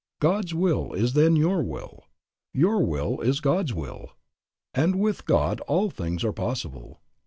God's will is then your will; your will is God's will, and "with God all things are possible."